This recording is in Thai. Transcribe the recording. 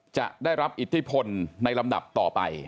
จะได้รับอิทธิพลในลำดับต่อไป